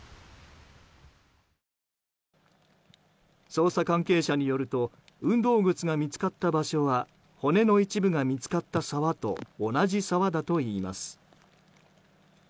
捜査関係者によると運動靴が見つかった場所は骨の一部が見つかった沢と同じ沢だといいます。